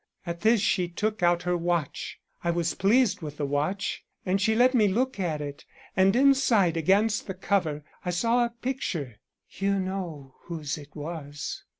At this she took out her watch. I was pleased with the watch, and she let me look at it, and inside against the cover I saw a picture. You know whose it was."